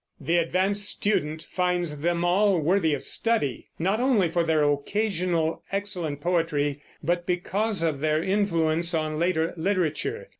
The advanced student finds them all worthy of study, not only for their occasional excellent poetry, but because of their influence on later literature.